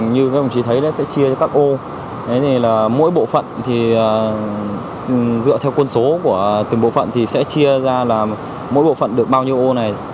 như các bạn chỉ thấy đấy sẽ chia cho các ô đấy thì là mỗi bộ phận thì dựa theo quân số của từng bộ phận thì sẽ chia ra là mỗi bộ phận được bao nhiêu ô này